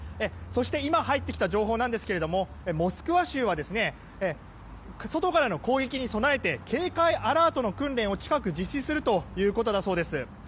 そして、今入ってきた情報ですがモスクワ州は外からの攻撃に備えて警戒アラートの訓練を近く実施するということだそうです。